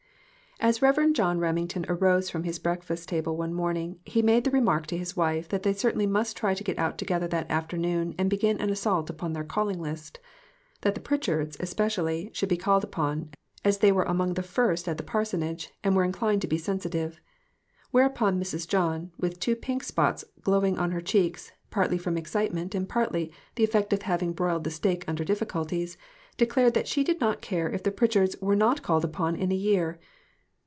AS Rev. John Remington arose from his break fast table one morning, he made the remark to his wife that they certainly must try to get out together that afternoon and begin an assault upon their calling list ; that the Pritchards, especially, should be called upon, as they were among the first at the parsonage, and were inclined to be sensitive. Whereupon Mrs. John, with two pink spots glowing on her cheeks, partly from excitement and partly the effect of having broiled the steak under difficulties, declared that she did not care if the Pritchards were not called upon in a year.